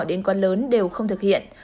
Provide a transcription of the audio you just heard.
đến quán lớn đều không thực hiện